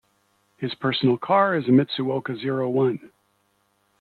His personal car is a Mitsuoka Zero One.